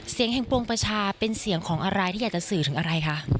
เสียงแห่งโปรงประชาเป็นเสียงของอะไรที่อยากจะสื่อถึงอะไรคะ